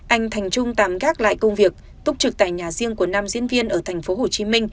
anh thành trung tạm gác lại công việc túc trực tại nhà riêng của nam diễn viên ở tp hcm